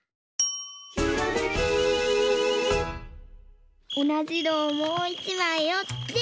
「ひらめき」おなじのをもう１まいおって。